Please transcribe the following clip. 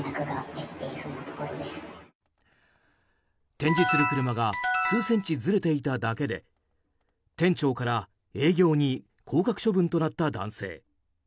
展示する車が数センチずれていただけで店長から営業に降格処分となった男性。